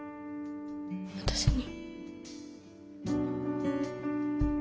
私に。